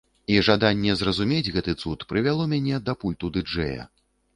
І жаданне зразумець гэты цуд прывяло мяне да пульту ды-джэя.